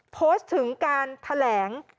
โพสต์ถึงการแถลง